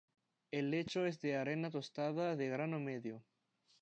El lecho es de arena tostada de grano medio.